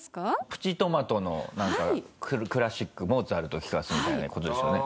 プチトマトのなんかクラシックモーツァルトを聞かせるみたいな事ですよね？